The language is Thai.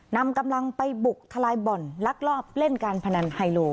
นำกำลังไปบุกทลายบ่อนลักลอบเล่นการพนันไฮโล